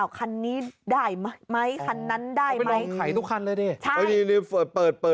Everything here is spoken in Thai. คันนี้ได้ไหมคันนั้นได้ไหมไขทุกคันเลยดิ